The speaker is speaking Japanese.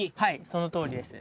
そのとおりです。